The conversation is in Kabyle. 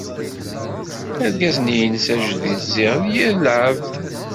Argaz-nni-ines ajdid ziɣ d yir lɛebd.